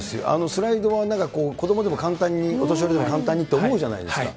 スライドは子どもでも簡単に、お年寄りでも簡単にと思うじゃないですか。